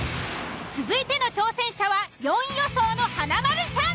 続いての挑戦者は４位予想の華丸さん。